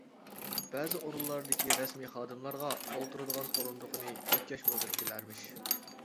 بەزى ئورۇنلاردىكى رەسمىي خادىملارغا ئولتۇرىدىغان ئورۇندۇقىنى يۆتكەشمۇ ئېغىر كېلەرمىش.